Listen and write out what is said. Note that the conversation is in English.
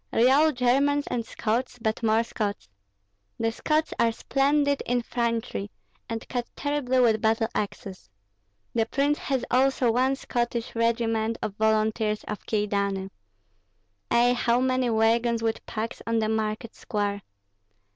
Real Germans and Scots, but more Scots. The Scots are splendid infantry, and cut terribly with battle axes. The prince has also one Scottish regiment of volunteers of Kyedani. Ei, how many wagons with packs on the market square!